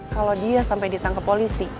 kalau dia sampai ditangkap polisi